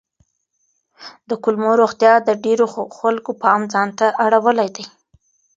د کولمو روغتیا د ډېرو خلکو پام ځان ته اړولی دی.